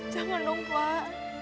jangan dong pak